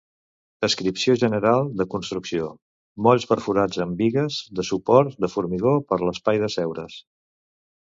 Descripció general de construcció: molls perforats amb bigues de suport de formigó per l'espai d'asseure's.